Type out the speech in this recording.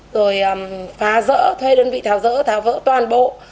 rồi phá rỡ thuê đơn vị tháo rỡ tháo rỡ toàn bộ